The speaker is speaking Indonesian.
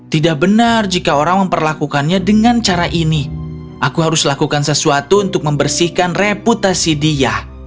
tidak benar jika orang memperlakukannya dengan cara ini aku harus lakukan sesuatu untuk membersihkan reputasi dia